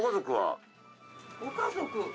ご家族？